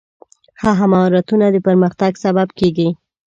ښه مهارتونه د پرمختګ سبب کېږي.